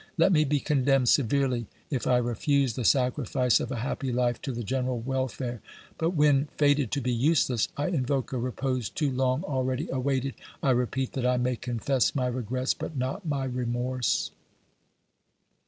Let me be condemned severely if I refuse the sacrifice of a happy life to the general welfare; but when, fated to be useless, I invoke a repose too long already awaited, I repeat that I may confess my regrets, but not my remorse.